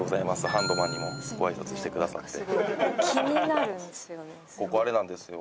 ハンドマンにもごあいさつしてくださって。